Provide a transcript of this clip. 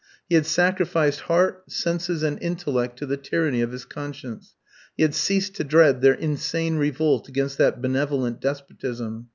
He had sacrificed heart, senses, and intellect to the tyranny of his conscience; he had ceased to dread their insane revolt against that benevolent despotism.